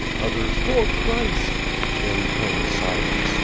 others "For Christ.'' Then came silence.